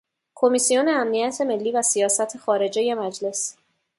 کمیسیون امنیت ملی و سیاست خارجهی مجلس